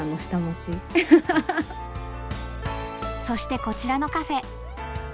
そしてこちらのカフェ。